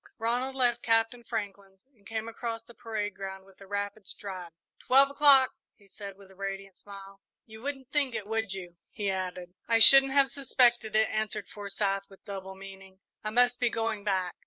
Ronald left Captain Franklin's and came across the parade ground with a rapid stride. "Twelve o'clock!" he said, with a radiant smile. "You wouldn't think it, would you?" he added. "I shouldn't have suspected it," answered Forsyth, with double meaning; "I must be going back."